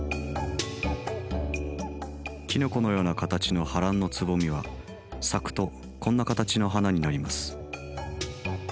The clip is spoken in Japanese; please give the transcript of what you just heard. キノコのような形のハランのつぼみは咲くとこんな形の花になります。